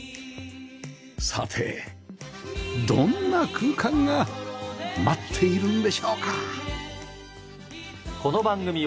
さてどんな空間が待っているんでしょうか？